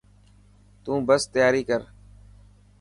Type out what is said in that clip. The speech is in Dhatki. تون بس تياري ڪر.